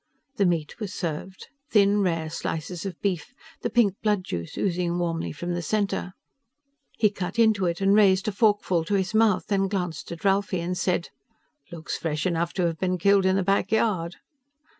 The meat was served thin, rare slices of beef, the pink blood juice oozing warmly from the center. He cut into it and raised a forkful to his mouth, then glanced at Ralphie and said, "Looks fresh enough to have been killed in the back yard."